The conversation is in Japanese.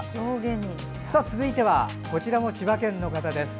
続いて、こちらも千葉県の方です。